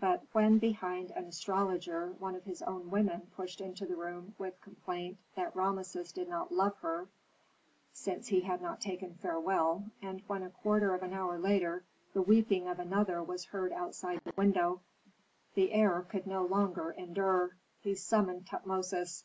But when behind an astrologer one of his own women pushed into the room with complaint that Rameses did not love her, since he had not taken farewell, and when a quarter of an hour later the weeping of another was heard outside the window, the heir could endure no longer; he summoned Tutmosis.